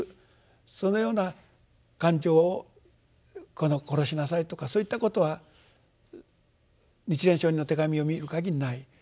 そのような感情を殺しなさいとかそういったことは日蓮聖人の手紙を見るかぎりない。